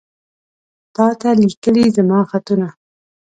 تاته ليکلي زما خطونه